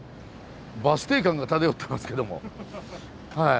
バス停感が漂ってますけどもはい。